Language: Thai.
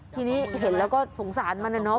ทีนี้เห็นแล้วก็สงสารมันนะเนาะ